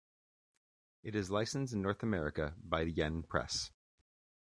It is licensed in North America by Yen Press.